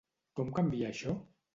Com canvia això?